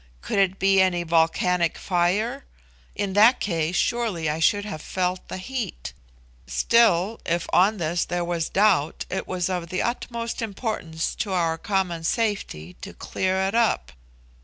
Could it be any volcanic fire? In that case, surely I should have felt the heat. Still, if on this there was doubt, it was of the utmost importance to our common safety to clear it up.